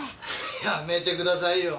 やめてくださいよ。